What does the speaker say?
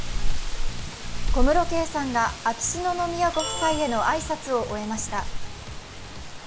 小室圭さんが秋篠宮ご夫妻への挨拶を終えました。